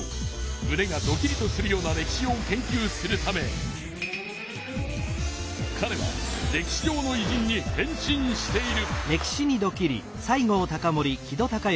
むねがドキリとするような歴史を研究するためかれは歴史上のいじんに変身している。